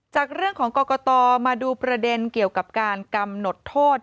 จากเรื่องของกรกตมาดูประเด็นเกี่ยวกับการกำหนดโทษ